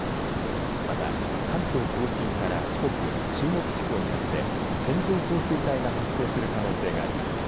また、関東甲信から四国、中国地方にかけて線状降水帯が発生する可能性があります。